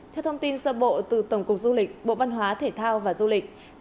theo thông tin sơ bộ từ tổng cục du lịch bộ văn hóa thể thao và du lịch